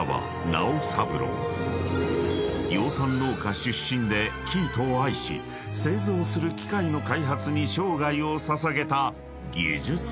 ［養蚕農家出身で生糸を愛し製造する機械の開発に生涯を捧げた技術者］